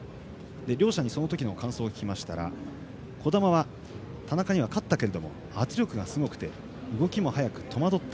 両者に感想を聞きましたら児玉は、田中には勝ったけれども圧力がすごくて動きも速く、戸惑った。